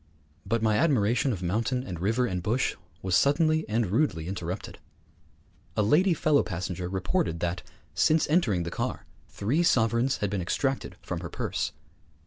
But my admiration of mountain and river and bush was suddenly and rudely interrupted. A lady fellow passenger reported that, since entering the car, three sovereigns had been extracted from her purse.